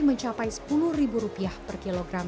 mencapai rp tiga puluh per kilogram